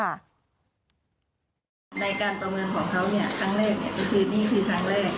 ในการประเมินของเขาครั้งแรกก็คือนี่คือครั้งแรก